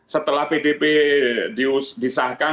setelah pdp disahkan